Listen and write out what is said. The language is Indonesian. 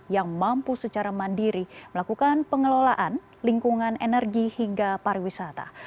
yang mampu secara mandiri melakukan pengelolaan lingkungan energi hingga pariwisata